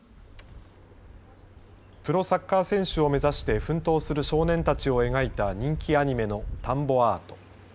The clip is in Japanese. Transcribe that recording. プロサッカー選手を目指して奮闘する少年たちを描いた人気アニメの田んぼアート。